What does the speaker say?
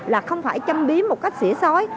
là không phải chăm biến một cách xỉa sói